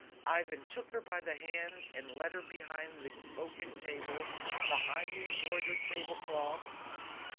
Ivan took her by the hand and led her behind the oaken table, behind the embroidered tablecloth.